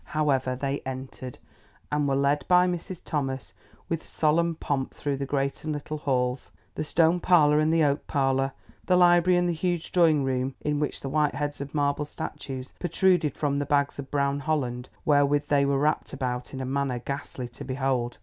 However, they entered, and were led by Mrs. Thomas with solemn pomp through the great and little halls, the stone parlour and the oak parlour, the library and the huge drawing room, in which the white heads of marble statues protruded from the bags of brown holland wherewith they were wrapped about in a manner ghastly to behold.